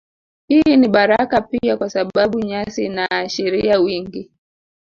Hii ni baraka pia kwa sababu nyasi inaashiria wingi